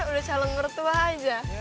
udah calon mertua aja